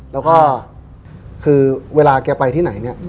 แล้วก็คือเวลาแกไปที่ไหน